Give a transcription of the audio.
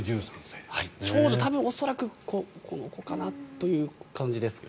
長女、多分、恐らくこの子かなという感じですが。